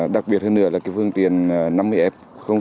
đặc biệt hơn nữa là phương tiện năm mươi f tám trăm linh một